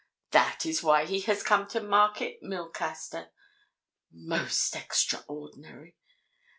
That is why he has come to Market Milcaster. Most extraordinary!